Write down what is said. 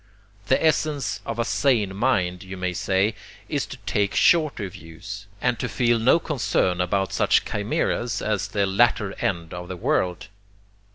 The essence of a sane mind, you may say, is to take shorter views, and to feel no concern about such chimaeras as the latter end of the world.